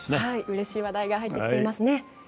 うれしい話題が入ってきていますね。